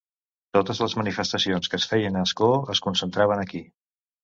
Totes les manifestacions que es feien a Ascó es concentraven aquí.